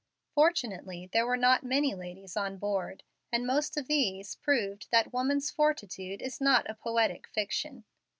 Fortunately, there were not many ladies on board, and most of these proved that woman's fortitude is not a poetic fiction.